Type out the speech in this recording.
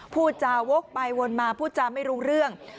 พูดจาวกไปวนมาพูดจาไม่รู้เรื่อง